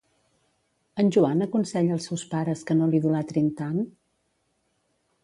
En Joan aconsella als seus pares que no l'idolatrin tant?